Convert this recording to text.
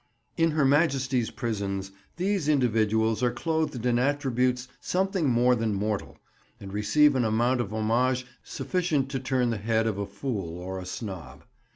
In Her Majesty's prisons these individuals are clothed in attributes something more than mortal, and receive an amount of homage sufficient to turn the head of a fool or a snob.